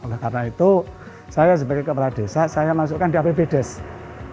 oleh karena itu saya sebagai kepala desa saya masukkan di apb desa